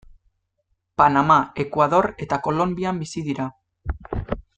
Panama, Ekuador eta Kolonbian bizi dira.